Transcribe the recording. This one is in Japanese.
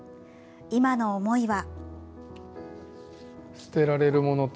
今の思いは。